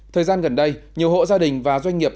thời gian gần đây nhiều hộ gia đình và doanh nghiệp